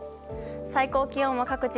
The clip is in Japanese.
最高気温は各地